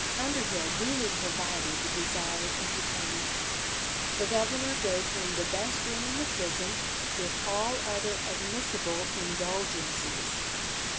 Underhill duly provided the desired entertainment. The governor gave him the best room in the prison, with all other admissible indulgences.